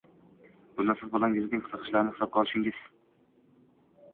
Bunda siz bolangizning qiziqishlarini hisobga olishingiz